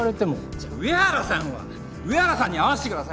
じゃ上原さんは？上原さんに会わしてくださいよ。